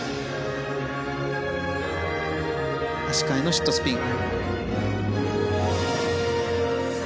足換えのシットスピン。